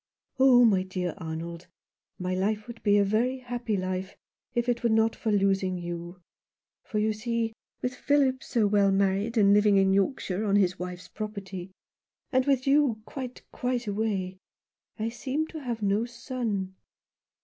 " Oh, my dear Arnold, my life would be a very happy life, if it were not for losing you ; for, you see, with Philip so well married and living in Yorkshire on his wife's property, and with you quite, quite away, I seem to have no son."